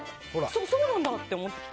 そうなんだって思ってきた。